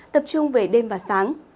tập trung về đêm và sáng